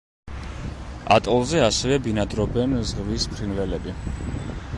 ატოლზე ასევე ბინადრობენ ზღვის ფრინველები.